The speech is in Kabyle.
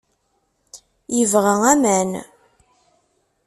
Yebɣa aman.